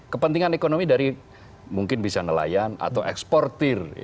kepentingan ekonomi dari mungkin bisa nelayan atau eksportir